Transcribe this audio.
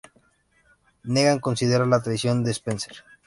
Negan considera la traición de Spencer.